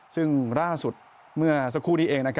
ซึ่งล่าสุดเมื่อสักครู่นี้เอง